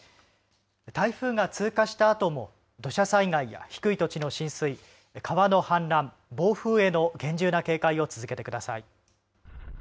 台風が通過したあとも土砂災害や低い土地の浸水、川の氾濫、暴風への厳重な警戒を続けてください。